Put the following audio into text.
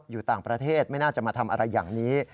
อยู่ต่างประเทศไม่น่าจะมาทำอะไรอย่างนี้